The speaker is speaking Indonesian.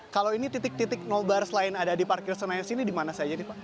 kalau ini titik titik nol bar selain ada di parkir senayas ini di mana saja